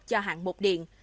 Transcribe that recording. cho hạng bột điện